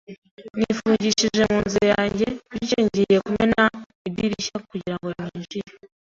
Nifungishije mu nzu yanjye, bityo ngiye kumena idirishya kugirango ninjire.